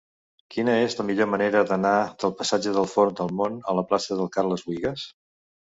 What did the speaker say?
Quina és la millor manera d'anar del passatge de la Font del Mont a la plaça de Carles Buïgas?